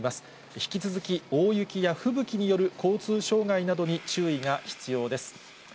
引き続き大雪や吹雪による交通障害などに注意が必要です。